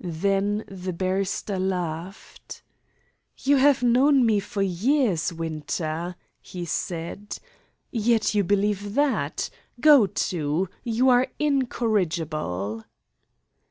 Then the barrister laughed. "You have known me for years, Winter," he said, "yet you believe that. Go to! You are incorrigible!"